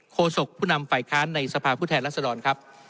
โฆษกผู้นำฝ่ายค้านในสภาพพฤทธิ์รัฐศรรณครับ